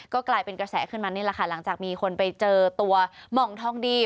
ก็กลายเป็นกระแสขึ้นมานี่แหละค่ะหลังจากมีคนไปเจอตัวหม่องทองดี